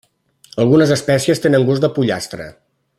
Algunes espècies tenen gust de pollastre.